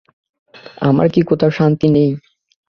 আমার কি কোথাও শান্তি নাই?